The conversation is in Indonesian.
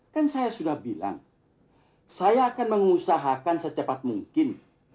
kan saya sudah bilang saya akan mengusahakan secepat mungkin